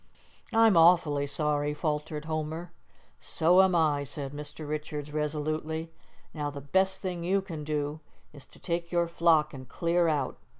"I'm awfully sorry," faltered Homer. "So am I," said Mr. Richards resolutely. "Now, the best thing you can do is to take your flock and clear out.